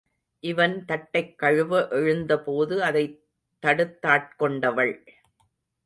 இவன், தட்டைக் கழுவ எழுந்தபோது அதை தடுத்தாட் கொண்டவள்.